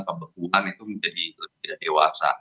kebekuan itu menjadi lebih dewasa